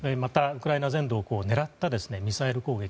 ウクライナを狙ったミサイル攻撃